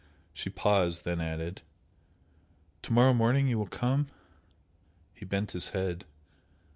She paused then added "To morrow morning you will come?" He bent his head.